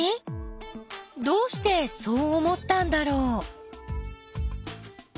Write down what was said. どうしてそう思ったんだろう。